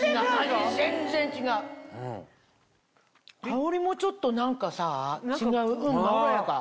香りもちょっと何かさ違うまろやか。